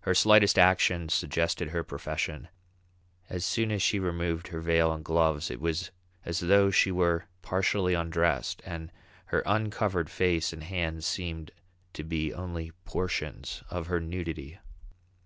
Her slightest action suggested her profession; as soon as she removed her veil and gloves it was as though she were partially undressed, and her uncovered face and hands seemed to be only portions of her nudity.